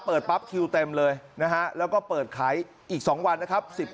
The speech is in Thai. ปั๊บคิวเต็มเลยนะฮะแล้วก็เปิดขายอีก๒วันนะครับ